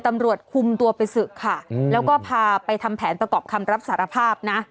ตำรวจคุมตัวไปศึกค่ะแล้วก็พาไปทำแผนประกอบคำรับสารภาพนะ